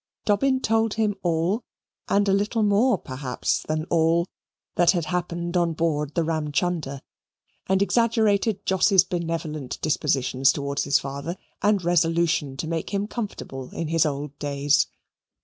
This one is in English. Dobbin told him all, and a little more perhaps than all, that had happened on board the Ramchunder, and exaggerated Jos's benevolent dispositions towards his father and resolution to make him comfortable in his old days.